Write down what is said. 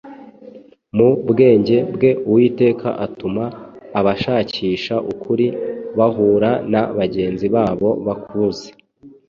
Mu bwenge bwe, Uwiteka atuma abashakisha ukuri bahura na bagenzi babo bakuzi.